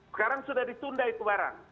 sekarang sudah ditunda itu barang